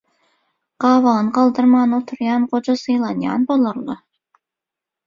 gabagyny galdyrman oturýan goja sylanýan bolarly.